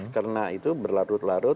karena itu berlarut larut